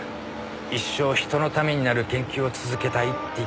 一生人のためになる研究を続けたいって言ってましたから。